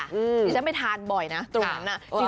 ที่ฉันไปทานบ่อยนะตรงนั้น